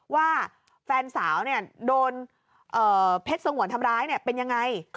ว่าแฟนสาวโดนเพชรสงวนทำร้ายเป็นยังไง